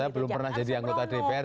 belum pernah jadi anggota dpr